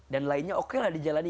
dan lainnya oke lah dijalani